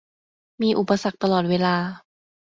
มีอุปสรรคตลอดเวลา